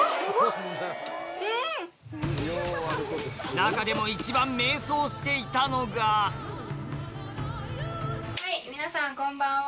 中でも一番迷走していたのが皆さんこんばんは！